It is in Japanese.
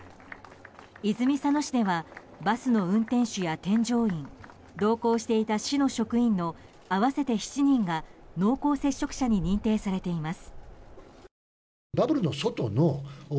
泉佐野市ではバスの運転手や添乗員同行していた市の職員の合わせて７人が濃厚接触者に認定されています。